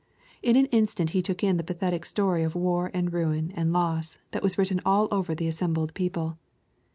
In an instant he took in the pathetic story of war and ruin and loss that was written all over the assembled people.